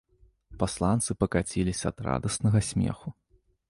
Пасланцы пакаціліся ад радаснага смеху.